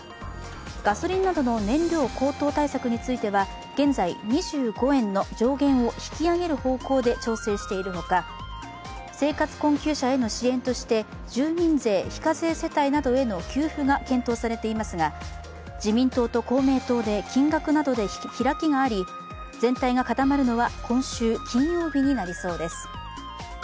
ガソリンなどの燃料高騰対策については現在２５円の上限を引き上げる方向で調整しているほか、生活困窮者への支援として、住民税非課税世帯などへの給付が検討されていますが自民党と公明党で金額などで開きがあり全体が固まるのは今週金曜日になりそうです。